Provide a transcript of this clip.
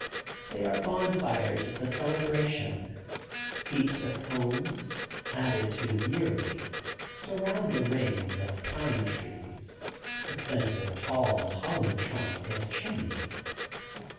They are bonfires of the celebration. Heaps of cones, added to yearly, surround a ring of pine trees, the center a tall, hollow trunk as chimney.